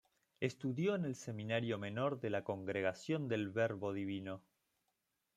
Estudió en el seminario menor de la Congregación del Verbo Divino.